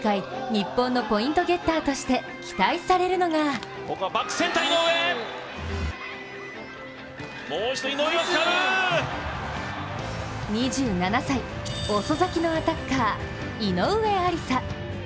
日本のポイントゲッターとして期待されるのが２７歳、遅咲きのアタッカー・井上愛里沙。